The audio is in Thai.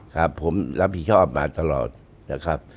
ครับผมรับผิดชอบมาตลอดนะครับ